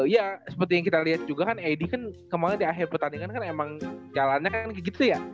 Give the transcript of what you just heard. ya seperti yang kita lihat juga kan edi kan kemarin di akhir pertandingan kan emang jalannya kan begitu ya